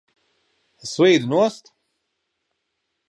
Es slīdu nost!